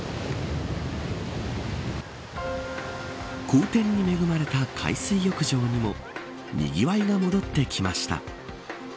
好天に恵まれた海水浴場にもにぎわいが戻ってきました。